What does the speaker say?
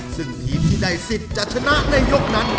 ซึ่งทีมที่ได้สิทธิ์จะชนะในยกนั้น